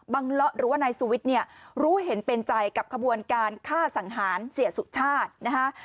เลาะหรือว่านายสุวิทย์เนี่ยรู้เห็นเป็นใจกับขบวนการฆ่าสังหารเสียสุชาตินะคะ